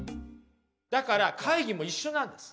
だから会議も一緒なんです。